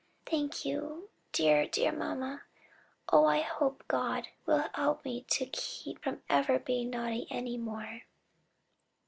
"Thank you, dear, dear mamma! oh I hope God will help me to keep from ever being naughty any more."